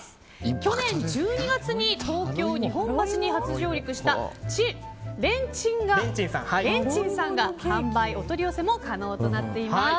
去年１２月に東京・日本橋に初上陸した連珍さんが販売、お取り寄せも可能となっています。